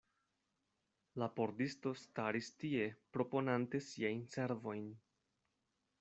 La pordisto staris tie, proponante siajn servojn.